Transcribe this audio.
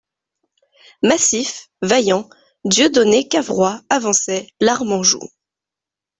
Massif, vaillant, Dieudonné Cavrois avançait, l'arme en joue.